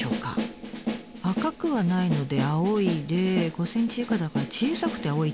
赤くはないので「青い」で５ｃｍ以下だから「小さくて青い」